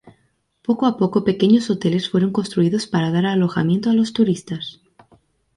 Poco a poco pequeños hoteles fueron construidos para dar alojamiento a los turistas.